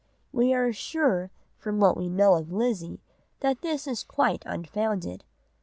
We are sure from what we know of Lizzie, that this is quite unfounded.